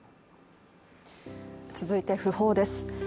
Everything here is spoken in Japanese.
続いて、訃報です。